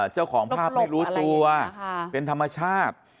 เจ้าของภาพไม่รู้ตัวเป็นธรรมชาติ